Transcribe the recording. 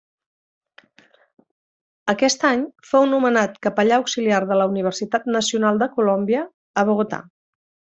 Aquest any fou nomenat capellà auxiliar de la Universitat Nacional de Colòmbia, a Bogotà.